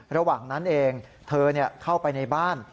ระหว่างนั้นเองเธอเข้าไปในบ้าน